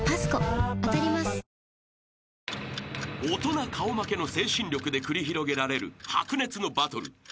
［大人顔負けの精神力で繰り広げられる白熱のバトル］